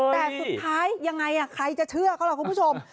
แต่สุดท้ายยังไงใครจะเชื่อเขาล่ะคุณผู้ชม